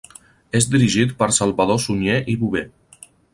És dirigit per Salvador Sunyer i Bover.